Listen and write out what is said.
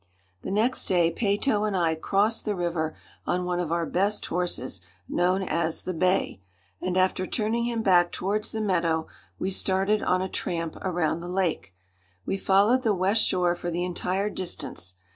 The next day Peyto and I crossed the river on one of our best horses known as the "Bay," and after turning him back towards the meadow, we started on a tramp around the lake. We followed the west shore for the entire distance.